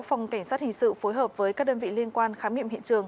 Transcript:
phòng cảnh sát hình sự phối hợp với các đơn vị liên quan khám nghiệm hiện trường